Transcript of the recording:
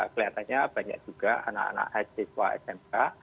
keliatannya banyak juga anak anak sma